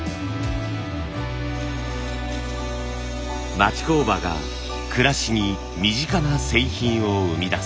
町工場が暮らしに身近な製品を生み出す。